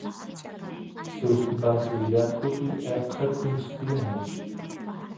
suk vasu yakupi eqequs tiyan